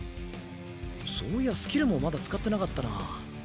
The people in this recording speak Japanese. そういやスキルもまだ使ってなかったな。